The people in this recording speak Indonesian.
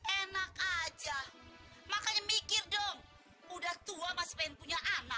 enak aja makanya mikir dong udah tua masih pengen punya anak